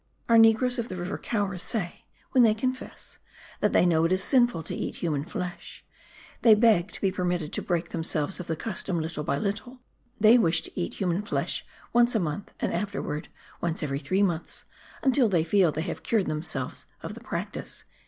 [Our negroes of the River Caura say, when they confess, that they know it is sinful to eat human flesh; they beg to be permitted to break themselves of the custom, little by little: they wish to eat human flesh once a month, and afterwards once every three months, until they feel they have cured themselves of the practice.